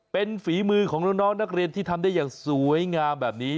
เป็นฝีมือของน้องนักเรียนที่ทำได้อย่างสวยงามแบบนี้